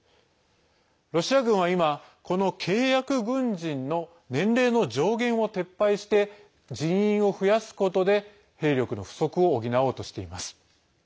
ロシア軍は今、この契約軍人の年齢の上限を撤廃して人員を増やすことで兵力の不足を補おうとしています。